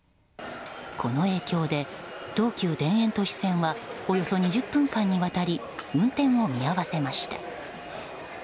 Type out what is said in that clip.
この影響で東急田園都市線はおよそ２０分間にわたり運転を見合わせました。